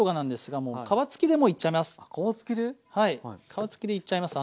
皮付きでいっちゃいます。